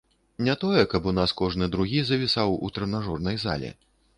Не тое, каб у нас кожны другі завісаў у трэнажорнай зале.